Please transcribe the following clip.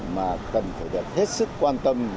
mà cần phải đặt hết sức quan tâm